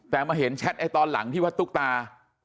แต่มาเห็นแชทตอนหลังที่ว่าตุ๊กตา